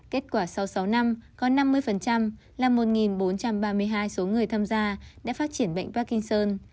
kết quả sau sáu năm có năm mươi là một bốn trăm ba mươi hai số người tham gia đã phát triển bệnh parkinson